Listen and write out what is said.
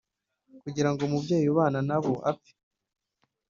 Kugira ngo umubyeyi ubana nabo apfe